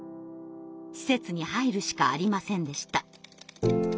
施設に入るしかありませんでした。